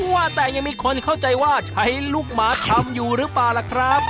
ว่าแต่ยังมีคนเข้าใจว่าใช้ลูกหมาทำอยู่หรือเปล่าล่ะครับ